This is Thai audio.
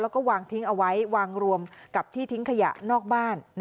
แล้วก็วางทิ้งเอาไว้วางรวมกับที่ทิ้งขยะนอกบ้าน